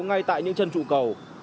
ngay tại những chân trụ cầu